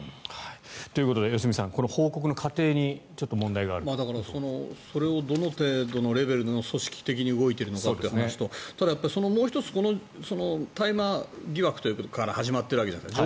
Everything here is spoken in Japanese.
ということで良純さん報告の過程にそれをどの程度のレベル組織的に動いているのかということとただ、やっぱりもう１つ大麻疑惑ということから始まってるわけじゃないですか。